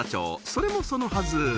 それもそのはず